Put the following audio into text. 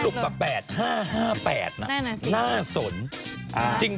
สรุปแบบ๘๕๕๘น่าสน